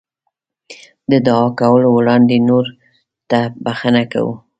د دعا کولو وړاندې نورو ته بښنه کوه.